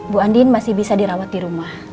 bu andin masih bisa dirawat di rumah